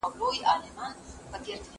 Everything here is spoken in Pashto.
زه به مېوې خوړلې وي!.